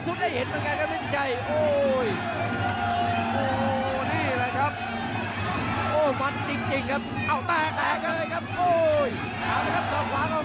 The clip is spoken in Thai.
โอ้โหเจอกันส่องขวาก่อนเพชรดำ